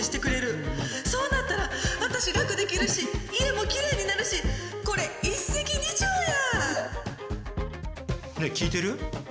そうなったら、私、楽できるし、家もきれいになるし、これ、一石二鳥や！ねぇ、聞いてる？